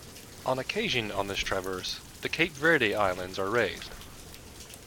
On occasion, on this traverse, the Cape Verde Islands are raised.